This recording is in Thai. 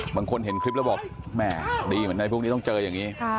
บางคนเห็นคลิปแล้วบอกแม่ดีเหมือนในพวกนี้ต้องเจออย่างนี้